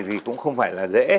thì cũng không phải là dễ